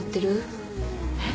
えっ？